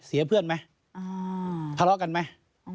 เสียเพื่อนไหมทะเลาะกันไหม